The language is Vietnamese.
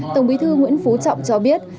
tổng bí thư nguyễn phú trọng cho biết